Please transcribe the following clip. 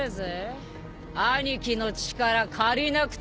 兄貴の力借りなくてもなあ。